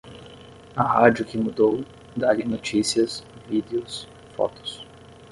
A rádio que mudou, dá-lhe notícias, vídeos, fotos.